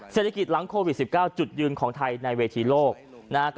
เศรษฐกิจหลังโควิด๑๙จุดยืนของไทยในเวทีโลกนะฮะ